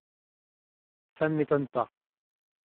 Ca ne m’étonne pas…